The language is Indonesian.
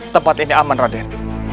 tempat ini aman raden